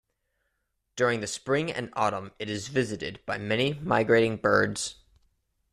During the spring and autumn it is visited by many migrating birds.